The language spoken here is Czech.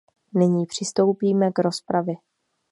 Nyní přistoupíme k rozpravě.